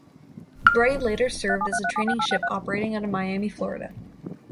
"Bray" later served as a training ship operating out of Miami, Florida.